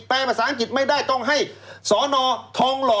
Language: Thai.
ภาษาอังกฤษไม่ได้ต้องให้สอนอทองหล่อ